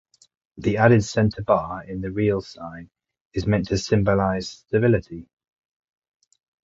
The added center bar in the real sign is meant to symbolize stability.